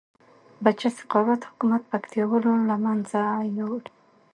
بچه سقاو حکومت پکتيا والو لمنځه یوړ